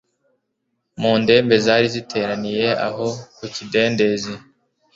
Mu ndembe zari ziteraniye aho ku kidendezi,